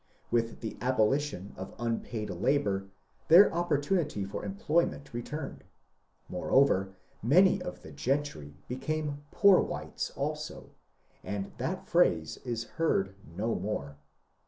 With the abo lition of unpaid labour their opportunity for employment returned. Moreover, many of the gentry " became " poor whites " also, and that phrase is heard no more.